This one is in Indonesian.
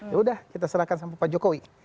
ya udah kita serahkan sama pak jokowi